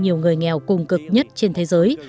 nhiều người nghèo cùng cực nhất trên thế giới